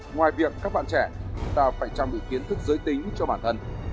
ngoài việc các bạn trẻ chúng ta phải trang bị kiến thức giới tính cho bản thân